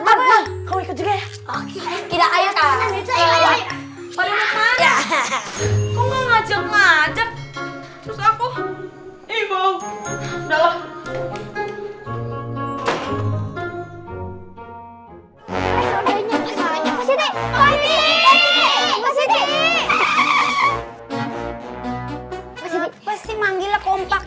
sama air dalam juga kak